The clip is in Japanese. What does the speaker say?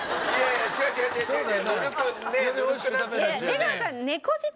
出川さん。